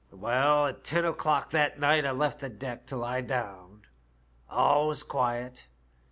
" Well, at ten o'clock that night I left the deck to lie down. All was quiet.